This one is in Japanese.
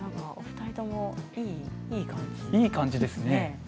いい感じですね。